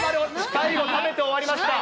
最後、食べて終わりました。